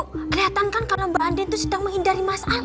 keliatan kan kalau mbak andien tuh sedang menghindari mas al